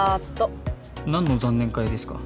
何の残念会ですか？